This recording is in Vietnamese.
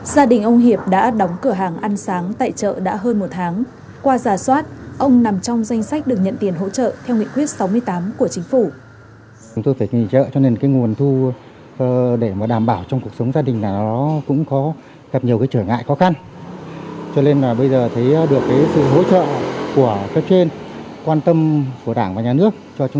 gia đình ông hiệp đã đóng cửa hàng ăn sáng tại chợ đã hơn một tháng qua giả soát ông nằm trong danh sách được nhận tiền hỗ trợ theo nghị quyết sáu mươi tám của chính phủ